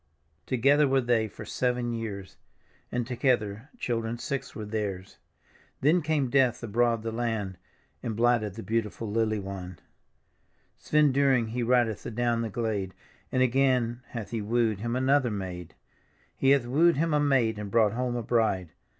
Together were they for seven years. And together children six were theirs; Then came Death abroad through the land. And blighted the beautiful lily wand. Svend Dyring he ndcth adown the glade. And again hath he wooed him another maid. He hath wooed him a maid and brought home a bride.